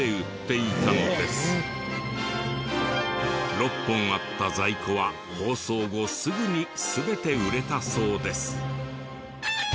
６本あった在庫は放送後すぐに全て売れたそうです。